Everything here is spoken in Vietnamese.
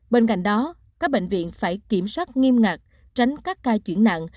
bên cạnh đó các bệnh viện phải kiểm soát nghiêm ngặt tránh các ca chuyển nặng